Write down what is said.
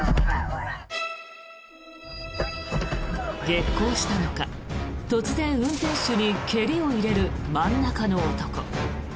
激高したのか突然、運転手に蹴りを入れる真ん中の男。